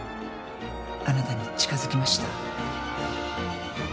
あなたに近づきました。